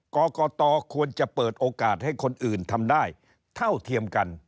กรกตควรจะเปิดโอกาสให้คนอื่นทำได้เท่าเทียมกัน